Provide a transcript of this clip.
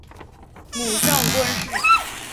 母上官氏。